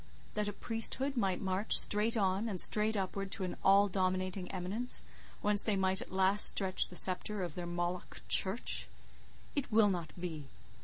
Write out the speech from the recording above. That a Priesthood might march straight on and straight upward to an all dominating eminence, whence they might at last stretch the sceptre of their Moloch "Church." It will not be.